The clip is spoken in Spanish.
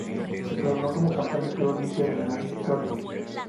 Se coronó como campeón el club Olimpia de Venado Tuerto.